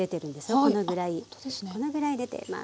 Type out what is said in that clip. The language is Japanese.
このぐらい出てます